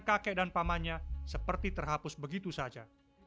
kakek dan pamannya seperti terhapus begitu saja